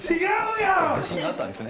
自信あったんですね。